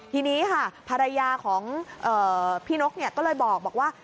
ทีนี้ค่ะภรรยาของพี่นกก็เลยบอกว่า